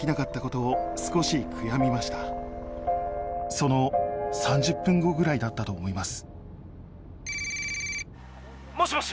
その３０分後ぐらいだったと思います。